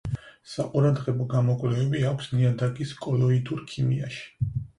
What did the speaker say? საყურადღებო გამოკვლევები აქვს ნიადაგის კოლოიდურ ქიმიაში.